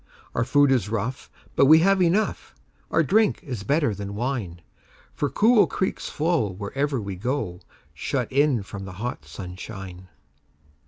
Our food is rough, but we have enough; Our drink is better than wine:For cool creeks flow wherever we go, Shut in from the hot sunshine.